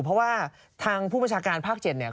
เพราะว่าทางผู้บัญชาการภาค๗เนี่ย